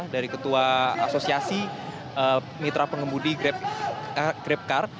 dari ketua asosiasi mitra pengemudi grabcar